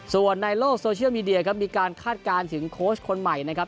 ส่วนในโลกโซเชียลมีเดียครับมีการคาดการณ์ถึงโค้ชคนใหม่นะครับ